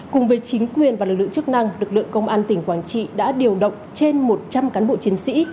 cùng với chính quyền và lực lượng chức năng lực lượng công an tỉnh quảng trị đã điều động trên một trăm linh cán bộ chiến sĩ